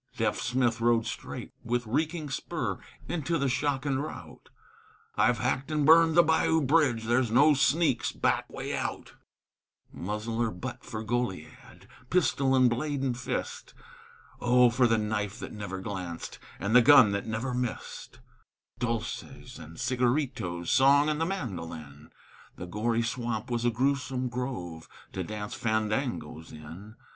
Deaf Smith rode straight, with reeking spur, Into the shock and rout: "I've hacked and burned the bayou bridge, There's no sneak's back way out!" Muzzle or butt for Goliad, Pistol and blade and fist! Oh, for the knife that never glanced, And the gun that never missed! Dulces and cigaritos, Song and the mandolin! That gory swamp was a gruesome grove To dance fandangos in.